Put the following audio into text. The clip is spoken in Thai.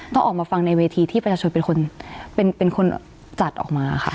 ต้องออกมาฟังในเวทีที่ประชาชนเป็นคนเป็นคนจัดออกมาค่ะ